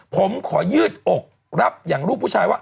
ผมขอยืดอกรับอย่างรูปผู้ชายว่า